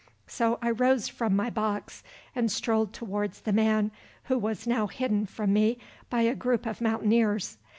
So I rose from my box and strolled towards the man, who now was hidden from me by a group of Mountaineers.